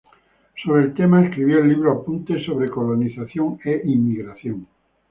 Sobre el tema escribió el libro "Apuntes sobre colonización e inmigración".